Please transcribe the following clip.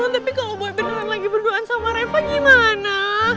tapi kalo boy beneran lagi berduaan sama reva gimana